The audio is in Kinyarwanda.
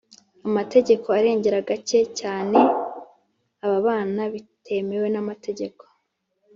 amategeko arengera gake cyane ababana bitemewe n’amategeko